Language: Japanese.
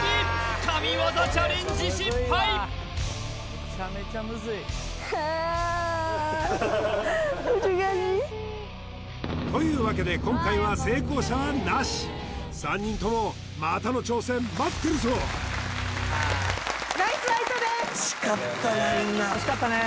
神業チャレンジ失敗！というわけで今回は成功者はなし３人ともまたの挑戦待ってるぞ惜しかったなみんな惜しかったね